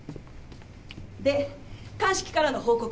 でっ鑑識からの報告は？